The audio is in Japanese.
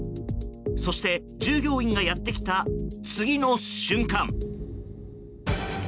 そして、従業員がやってきた次の瞬間。